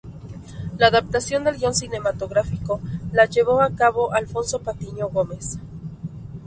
La adaptación del guion cinematográfico la llevó a cabo Alfonso Patiño Gómez.